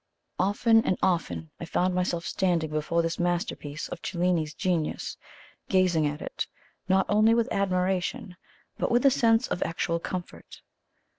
Often and often I found myself standing before this masterpiece of Cellini's genius, gazing at it, not only with admiration, but with a sense of actual comfort.